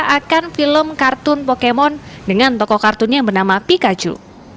akan film kartun pokemon dengan toko kartun yang bernama pikachu